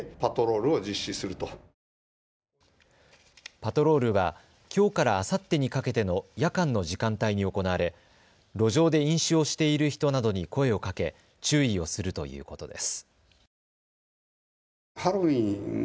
パトロールは、きょうからあさってにかけての夜間の時間帯に行われ路上で飲酒をしている人などに声をかけ注意をするということです。